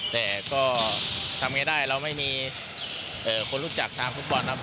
แต่ก็ทำไงได้เราไม่มีคนรู้จักทางฟุตบอลครับ